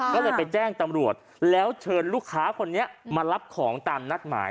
ก็เลยไปแจ้งตำรวจแล้วเชิญลูกค้าคนนี้มารับของตามนัดหมาย